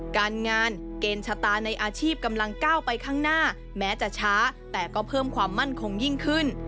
การงานเกณฑ์ชะตาในอาชีพกำลังก้าวไปข้างหน้าแม้จะช้าแต่ก็เพิ่มความมั่นคงยิ่งขึ้น